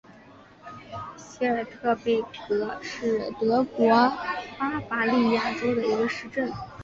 席尔特贝格是德国巴伐利亚州的一个市镇。